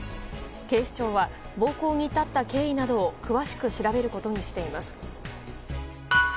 警視庁は暴行に至った経緯などを詳しく調べることにしています。